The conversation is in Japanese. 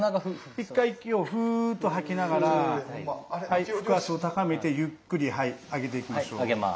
一回息をフーッと吐きながら腹圧を高めてゆっくり上げていきましょう。